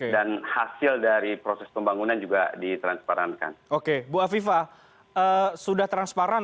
dan hasil dari proses pembangunan juga ditransparankan oke bu aviva sudah transparan